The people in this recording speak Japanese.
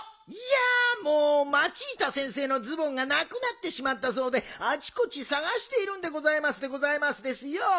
いやもうマチータ先生のズボンがなくなってしまったそうであちこちさがしているんでございますでございますですよ。